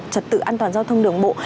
trật tự an toàn giao thông đường bộ